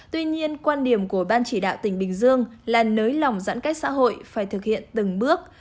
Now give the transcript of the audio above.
tuy nhiên quan điểm của ban chỉ đạo tỉnh bình dương là nới lỏng giãn cách xã hội phải thực hiện từng bước